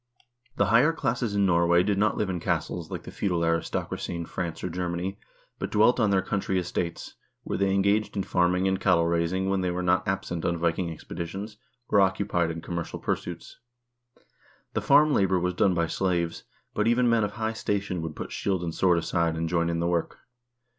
1 The higher classes in Norway did not live in castles like the feudal aristocracy in France or Germany, but dwelt on their country estates, where they engaged in farming and cattle raising when they were not absent on Viking expeditions, or occupied in commercial pursuits. The farm labor was done by slaves, but even men of high station would put shield and sword aside and join in the work.